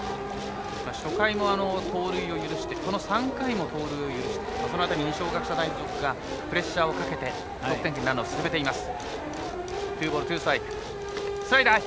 初回も盗塁を許してこの３回も盗塁を許して二松学舎大付属がプレッシャーをかけて得点圏にランナーを進めています。